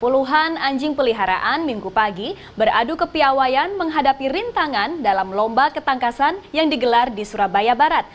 puluhan anjing peliharaan minggu pagi beradu kepiawayan menghadapi rintangan dalam lomba ketangkasan yang digelar di surabaya barat